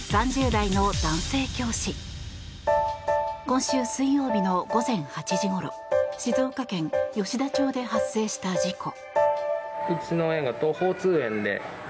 今週水曜日の午前８時ごろ静岡県吉田町で発生した事故。